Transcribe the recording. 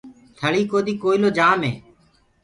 ٿݪيٚ ڪودي ڪوئيٚلو جآم هي۔